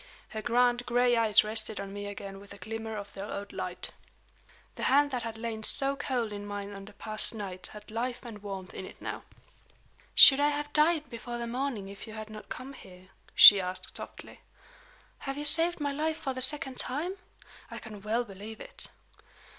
Her grand gray eyes rested on me again with a glimmer of their old light. The hand that had lain so cold in mine on the past night had life and warmth in it now. "Should I have died before the morning if you had not come here?" she asked, softly. "Have you saved my life for the second time? I can well believe it."